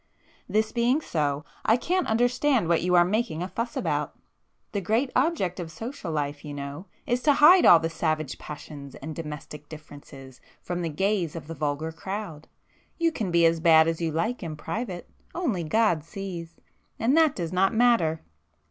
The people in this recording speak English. This being so, I can't understand what you are making a fuss about. The great object of social life, you know, is to hide all savage passions and domestic differences from the gaze of the vulgar crowd. You can be as [p 378] bad as you like in private—only God sees—and that does not matter!"